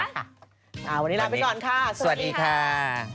วันนี้ลาไปก่อนค่ะสวัสดีค่ะสวัสดีค่ะ